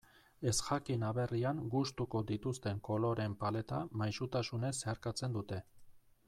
Ezjakin aberrian gustuko dituzten koloreen paleta maisutasunez zeharkatzen dute.